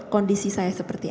kondisi saya seperti apa